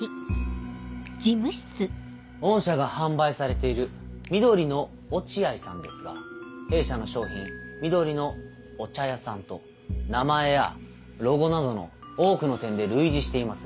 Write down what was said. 御社が販売されている「緑のおチアイさん」ですが弊社の商品「緑のお茶屋さん」と名前やロゴなどの多くの点で類似しています。